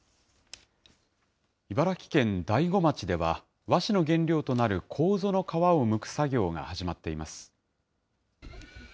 茨城県大子町では、和紙の原料となるこうぞの皮をむく作業が始まっています。